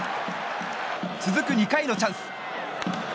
続く２回のチャンス。